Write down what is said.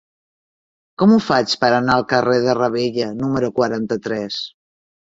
Com ho faig per anar al carrer de Ravella número quaranta-tres?